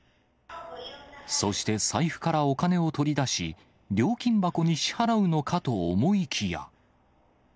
そして財布からお金を取り出し、料金箱に支払うのかと思いきや。